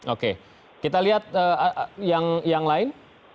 oke kita lihat yang lain